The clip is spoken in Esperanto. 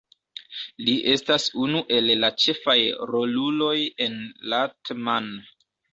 Li estas unu el la ĉefaj roluloj en Rat-Man.